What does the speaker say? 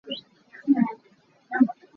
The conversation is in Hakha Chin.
Hi vok hi a lian lo.